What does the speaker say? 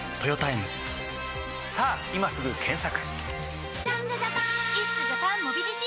さぁ今すぐ検索！